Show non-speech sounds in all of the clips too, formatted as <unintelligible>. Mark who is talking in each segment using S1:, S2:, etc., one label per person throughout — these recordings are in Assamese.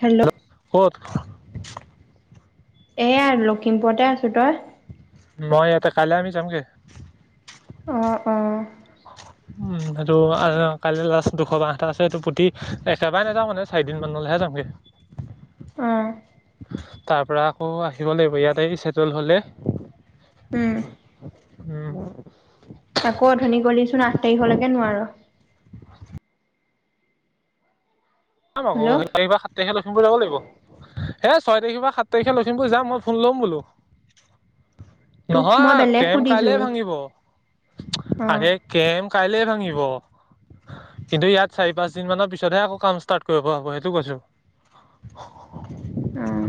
S1: হেল্ল'।
S2: ক'ত?
S1: এয়া লখিমপুৰতে আছোঁ তই?
S2: মই ইয়াতেই কাইলে আমি যাম গে।
S1: অ অ।
S2: উম সেইটো কাইলৈ লাষ্ট দুশ বাৰটা আছে সটো পুতি একেবাৰে নাযাওঁ মানে চাৰিদিন মানলৈহে যামগৈ।
S1: <inaudible> অ',
S2: তাৰ পৰা আকৌ আহিব লাগিব ইয়াতে চটল হ'লে।
S1: উম।
S2: উম।
S1: আকৌ অথনি গ'লিচোন আঠ তাৰিখলৈকে নোৱাৰ
S2: <unintelligible> ছয়
S1: হেল্ল'
S2: তাৰিখৰ পৰা সাত তাৰিখে লখিমপুৰ যাম মই ফোন ল'ম বোলো।
S1: তোক মই
S2: নহয়
S1: বেলেগ
S2: কেম
S1: সুধিছো
S2: কাইলে ভাঙিব,
S1: অ',
S2: আৰে কেম কাইলে ভাঙিব। কিন্তু ইয়াত চাৰি পাঁচ দিন মানৰ পিছতহে আকৌ ক ষ্টাত কৰিব পৰা হ'ব। সেইটো কৈছো।
S1: উম।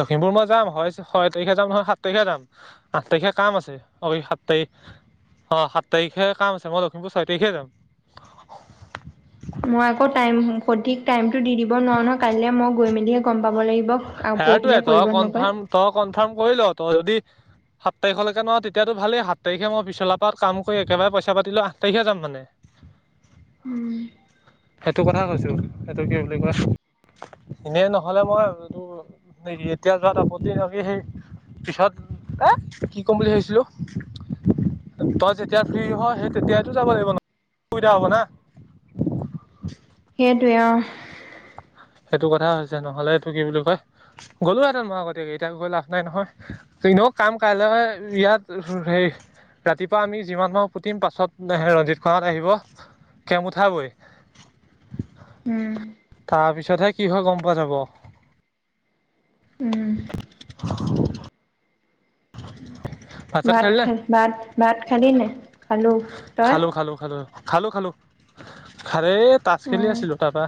S2: লখিমপুৰ মই যাম, হয় ছয় তাৰিখে যাম নহয় সাত তাৰিখে যাম, আঠ তাৰিখে কাম আছে। ঐ সাত তাৰিখে
S1: <inaudible>
S2: অ সাত তাৰিখে কাম আছে। মই লখিমপুৰ ছয় তাৰিখে যাম।
S1: মই আকৌ টাইম সঠিক টাইমতটো দি দিব নোৱাৰো নহয়, কাই মই গৈ মেলিহে গম পাব লাগিব। আৰু
S2: সেইটোৱে
S1: পৰহিলে
S2: তই
S1: কৰিব নকয়
S2: কনফাৰ্ম, তই কনফাৰ্ম কৰিল। তই যদি সাত তাৰিখলৈকে ন, তেতিাতো ভালেই সাত তাৰিখে মই পিছলাৰ পৰা কাম কৰি একেবাৰে পইচাতিলৈ আঠ তাৰিখে যাম মানে।
S1: <inaudible>
S2: সেইটো কথাই কৈছো। সেইটো কি বুলি কয়, এনেই নহলে মই এতিয়া যোৱাত আপত্তি <unintelligible> সেই পিছত এ কি ক'ম বুলি ভাবিছিলো? তই যেতিয়া ফ্ৰী হ সেই তেতিয়ো যাব লাগিব- বিধা হ'ব না।
S1: সেইটোৱে অ।
S2: সেইটো কথা হৈছে। নহ'লে এইটো কি বুলি কয় গ'লোহেঁতেন মই আগতাকে এতিয়া গৈ লাভ নাই নহয়। এনেও কাম কাইলৈ ইয়াত সেই ৰাতিপুৱা আমি যিমান মানহ পুতিম, পাছত ৰঞ্জিত খত আহিব কেম উঠাবৈ।
S1: <inaudible>
S2: তাৰপিছতহে কি হৈ গম পোৱা যাব।
S1: উম।
S2: <unintelligible> চাত
S1: ভাত
S2: খালি নে
S1: খাই ভাত-ভাত খালি নে নাই? খালো। তই?
S2: খালো খালো হাৰে তাছ খেলি
S1: অ',
S2: আছিলো তাৰপা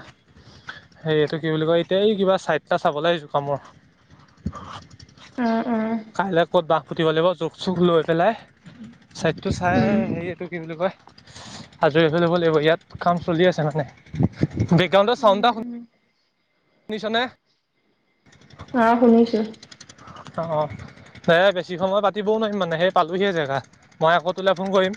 S2: সেই এইটো কি বুলি কয় এতিয়া এই কিবা চাইটা চাবলে আহিছো কামৰ।
S1: অ', অ',
S2: কাইলৈ ক'ত বাঁহ পুতিব লাগিব জোখ চোখ লৈ পেলাই, ছাইডটো চাই
S1: উম,
S2: হেৰি এইটো কি বুলি কয়। আজৰি হৈ লব লাগিব। ইয়াত কাম চলি আছে মানে, বেগ্ৰুণ্ডত
S1: উম,
S2: চাউ
S1: উম,
S2: শুনিছানে?
S1: আহ শুনিছো।
S2: অ অ এই বেছি সময় পাতিবও নোৱাৰিম মানে সেই পালোহিয়ে জেগা। মই আকৌ তোলৈ ফোন কৰিম।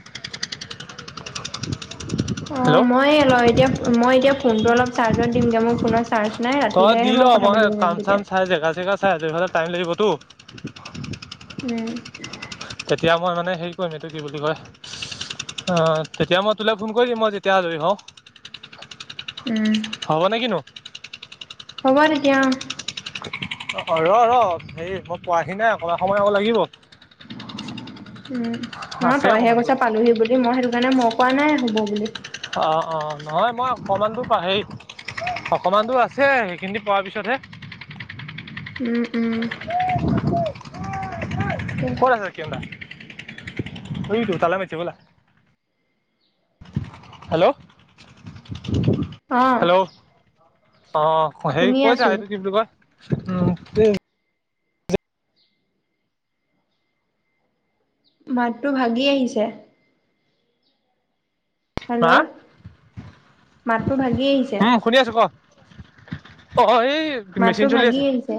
S1: অ
S2: হেল্ল'
S1: মই অল এতিয়া মই এতিয়া ফোনটো অলপ চাৰ্জত দিমগে মোৰ ফোনত চাৰ্জ নাই
S2: তই
S1: ৰাতিলেহে
S2: দি ল
S1: কথা
S2: মই
S1: পাতিব পাৰিম
S2: কাম-চাম
S1: তেতিয়া।
S2: চাই জেগা-চেগা চাই আজৰি হ'লে টাইম লাগিব। টো।
S1: উম।
S2: তেতিয়া মই মানে হেৰি কৰিম এইটো কি বুলি কয়? আহ তেতিয়া মই তোলে ফোন কৰি দিম, মই যেতিয়া আজৰি হওঁ।
S1: উম,
S2: হ'ব নেকি নো?
S1: হ'ব তেতিয়া।
S2: অ ৰ ৰ হে মই পোৱাহি নাই অকমান সময় অকৌ লাগিব।
S1: উম নহ
S2: আছে
S1: তইহে কৈছ
S2: অকমানতো।
S1: পালোহি বুলি, মই সেইটো কাৰণে মই কোৱা নাই হ'ব বুলি।
S2: অঁ অঁ নহয় মই অকণমানটো পাহৰি অকণমান দূৰ আছে সেইখিনি পোৱাৰ পিছতহে
S1: উম উম।
S2: ক'ত আছ কি এতিয়া তালৈ মাতি ব'লা হেল্ল'।
S1: অহ
S2: হেল্ল' অ', হেৰি কৈছা সেইটো কি বুলি কয়
S1: মাতটো ভাগি আহিছে।
S2: হা
S1: হেল্ল' মাতটো ভাগি আহিছে
S2: উম শুনি আছো ক অ', এই
S1: মাতটো
S2: মেচিন চলি
S1: ভাগি
S2: আছে
S1: আহিছে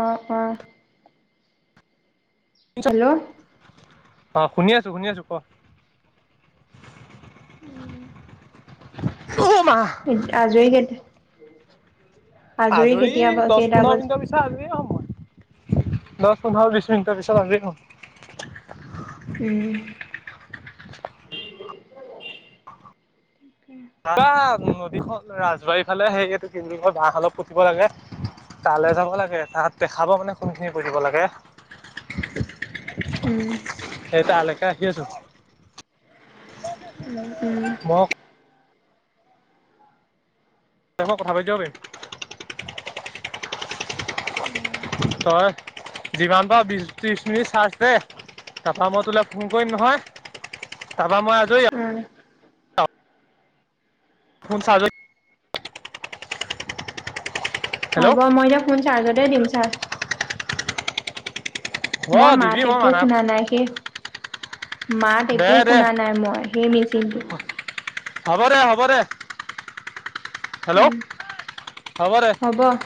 S1: অ', অহ হেল্ল'।
S2: অ', শুনি আছোঁ শুনি আছোঁ।
S1: উ
S2: <inaudible>
S1: আজৰি কেইটা
S2: আজৰি দহ
S1: কেইটা
S2: পোন্ধৰ
S1: বজাত
S2: মিনিটৰ পিছত আজৰি হম। দহ পোন্ধৰ বিশছ মিনিটৰ পিছত আজৰি হম।
S1: উম।
S2: বা নদীখন ৰাজবাৰী ফালে সেইটো বাঁহ অলপ পুতিব লাগে। তালৈ যাব লাগে তাত দেখাব মানে কোনখিনি কৰিব লাগে।
S1: উম,
S2: সেই তালেকে আহি আছোঁ।
S1: উম, উম।
S2: মই দেখ কথা <unintelligible> তই যিমান পাৰা বিশ ত্ৰিশ মিনিট চাৰ্জ দে। তাৰাপা মই তোলৈ ফোন কৰিম নহয় তাৰ পা মই আজি
S1: উম।
S2: ফুল চাৰ্জত
S1: হ'ব
S2: হেল্ল'
S1: মই এতিয়া ফোন চাৰ্জতে দিম চাৰ্জ
S2: অ
S1: মই মাত
S2: দিবি
S1: একো
S2: মানা
S1: শুনা নাই সে মাত
S2: দে
S1: একো
S2: দে
S1: শুনা নাই মই সেই মেচিনটো
S2: হ'ব দে হ'ব দে হেল্ল'
S1: উম,
S2: হ'ব দে।
S1: হ'ব।